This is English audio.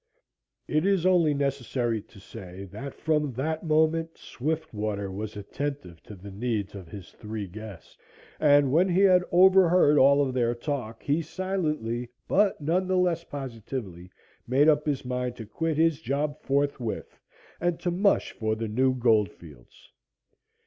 It is only necessary to say that from that moment Swiftwater was attentive to the needs of his three guests, and when he had overheard all of their talk he silently, but none the less positively, made up his mind to quit his job forthwith and to "mush" for the new gold fields.